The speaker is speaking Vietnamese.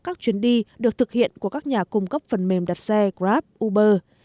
các chuyến đi được thực hiện của các nhà cung cấp phần mềm đặt xe grab uber